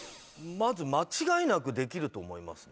まず間違いなくできると思いますね。